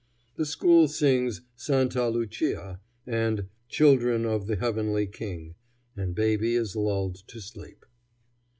The school sings "Santa Lucia" and "Children of the Heavenly King," and baby is lulled to sleep.